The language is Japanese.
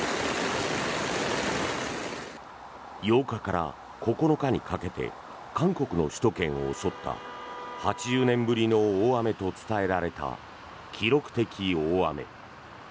８日から９日にかけて韓国の首都圏を襲った８０年ぶりの大雨と伝えられた記録的大雨。